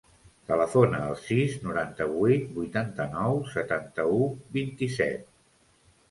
Telefona al sis, noranta-vuit, vuitanta-nou, setanta-u, vint-i-set.